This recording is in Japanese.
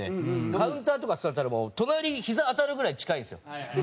カウンターとか座ったらもう隣ひざ当たるぐらい近いんですよ。